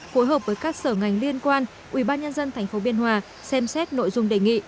phối hợp với các sở ngành liên quan ubnd tp biên hòa xem xét nội dung đề nghị